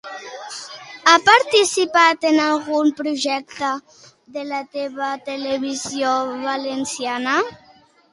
Ha participat en algun projecte de la televisió valenciana?